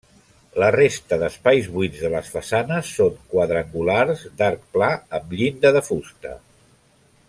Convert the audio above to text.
La resta d'espais buits de les façanes són quadrangulars d'arc pla amb llinda de fusta.